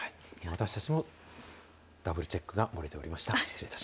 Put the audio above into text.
私たちもダブルチェックが漏れておりました。